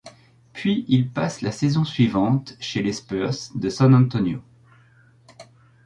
Puis il passe la saison suivante chez les Spurs de San Antonio.